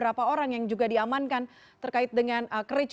kalau kita flashback atas insiden kemarin